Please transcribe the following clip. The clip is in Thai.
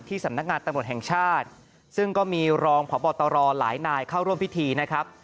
สำนักงานตำรวจแห่งชาติซึ่งก็มีรองพบตรหลายนายเข้าร่วมพิธีนะครับ